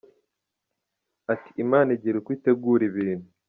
Ati” Imana igira uko itegura ibintu.